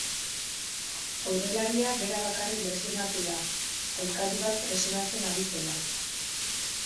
Aurrelaria bera bakarrik lesionatu da, aurkari bat presionatzen ari zela.